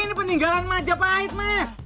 ini peninggalan majapahit mas